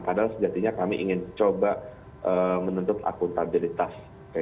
padahal sejatinya kami ingin coba menuntut akuntabilitas